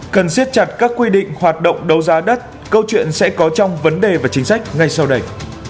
cần siết chặt các quy định hoạt động đấu giá đất câu chuyện sẽ có trong vấn đề và chính sách ngay sau đây